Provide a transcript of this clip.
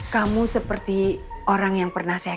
kamu seperti orang yang penuh kebenaran